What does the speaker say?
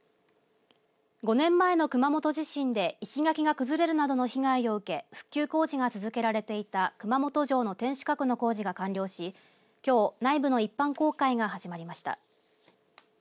５年前の熊本地震で石垣が崩れるなどの被害を受け復旧工事が続けられていた熊本城の天守閣の工事が完了しきょう、内部の一般公開が始まりました。